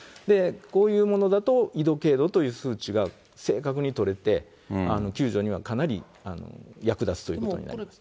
こういうものだと、緯度、経度という数値が、正確に取れて、救助にはかなり役立つということになります。